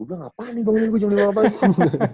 udah ngapain nih bangunin gue jam lima pagi